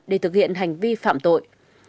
để thực hiện hành vi phạm tội